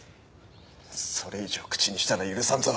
それ以上口にしたら許さんぞ。